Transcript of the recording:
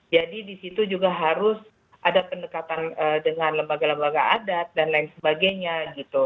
jadi disitu juga harus ada pendekatan dengan lembaga lembaga adat dan lain sebagainya gitu